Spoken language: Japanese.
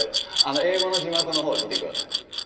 英語の字幕の方を見てください。